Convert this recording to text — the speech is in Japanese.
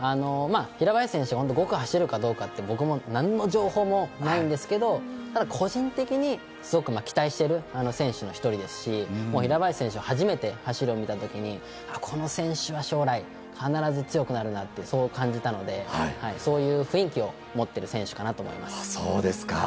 平林選手がまた走るとは僕も何の情報もないんですけどただ個人的にすごく期待している選手の１人ですし平林選手の走りを初めて見た時に将来必ず強くなるとそう感じたのでそういう雰囲気を持っている選手かなと思います。